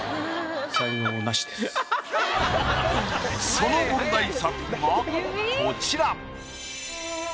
その問題作がこちら。